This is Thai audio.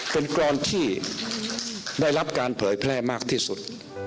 เป็นกรอนที่ได้รับการเผยแพร่มากที่สุด